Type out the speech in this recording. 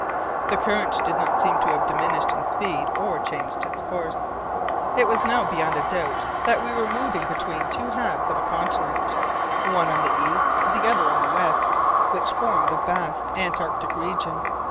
The current did not seem to have diminished in speed or changed its course. It was now beyond a doubt that we were moving between the two halves of a continent, one on the east, the other on the west, which formed the vast antarctic region.